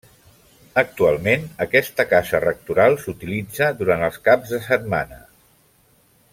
Actualment aquesta casa rectoral s'utilitza durant els caps de setmana.